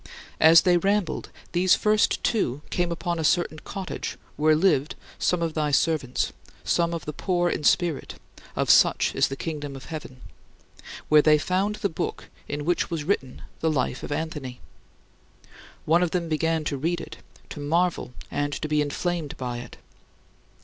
As they rambled, these first two came upon a certain cottage where lived some of thy servants, some of the "poor in spirit" ("of such is the Kingdom of Heaven"), where they found the book in which was written the life of Anthony! One of them began to read it, to marvel and to be inflamed by it.